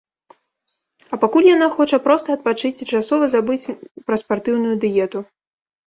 А пакуль яна хоча проста адпачыць і часова забыць пра спартыўную дыету.